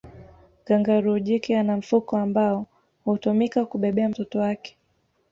kangaroo jike ana mfuko ambao hutumika kubebea mtoto wake